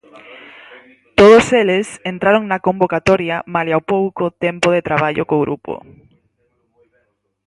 Todos eles entraron na convocatoria malia o pouco tempo de traballo co grupo.